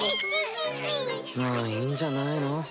まぁいいんじゃないの？